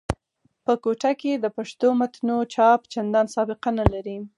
په کوټه کښي د پښتو متونو چاپ چندان سابقه نه لري.